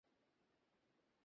পরের প্ল্যান কী তোর?